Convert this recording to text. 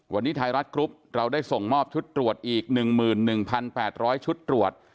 วันนี้ไทยรัฐกรุ๊ปเราได้ส่งมอบชุดตรวจอีก๑๑๘๐๐ชุดตรวจ